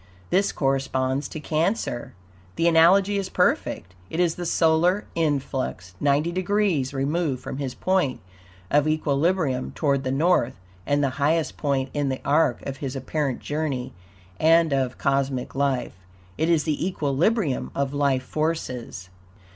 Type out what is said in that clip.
This corresponds to Cancer. The analogy is perfect. It is the solar influx, ninety degrees removed from his point of equilibrium toward the North, and the highest point in the arc of his apparent journey and of cosmic life. It is the equilibrium of life forces.